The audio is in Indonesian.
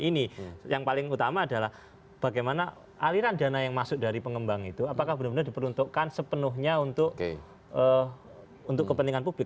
ini yang paling utama adalah bagaimana aliran dana yang masuk dari pengembang itu apakah benar benar diperuntukkan sepenuhnya untuk kepentingan publik